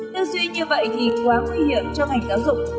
tư duy như vậy thì quá nguy hiểm cho ngành giáo dục